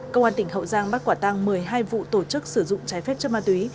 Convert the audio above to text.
công an tỉnh hậu giang bắt quả tăng một mươi hai vụ tổ chức sử dụng trái phép chất ma túy